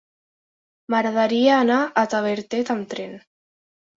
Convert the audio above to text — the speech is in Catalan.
M'agradaria anar a Tavertet amb tren.